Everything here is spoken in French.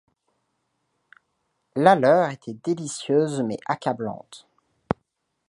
La leur était délicieuse, mais accablante.